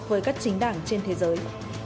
với các chính đảng trên thế giới